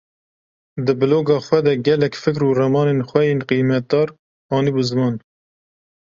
Di bloga xwe de gelek fikr û ramanên xwe yên qîmetdar anîbû ziman.